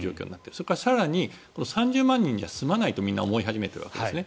それから更に３０万人じゃ済まないとみんな思い始めているんですね。